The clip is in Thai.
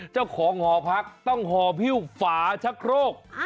เจ้าของหอพักต้องห่อหิ้วฝาชะโครก